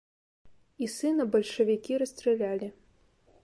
І сына бальшавікі расстралялі.